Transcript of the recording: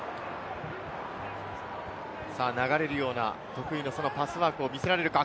流れるような得意のパスワークを見せられるか。